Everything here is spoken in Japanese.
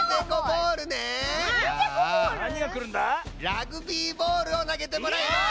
ラグビーボールをなげてもらいます！